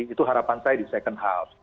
itu harapan saya di second house